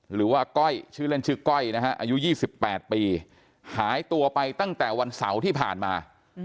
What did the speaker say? หรือว่าก้อยชื่อเล่นชื่อก้อยนะฮะอายุ๒๘ปีหายตัวไปตั้งแต่วันเสาร์ที่ผ่านมา